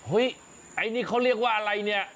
โอ้ยอันนี้ขอเรียกว่าอะไรเนี่ย